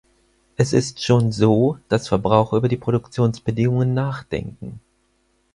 Es ist schon so, dass Verbraucher über die Produktionsbedingungen nachdenken.